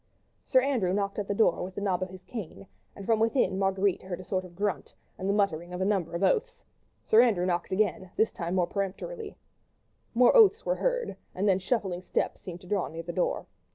Sir Andrew knocked at the door with the knob of his cane, and from within Marguerite heard a sort of grunt and the muttering of a number of oaths. Sir Andrew knocked again, this time more peremptorily: more oaths were heard, and then shuffling steps seemed to draw near the door.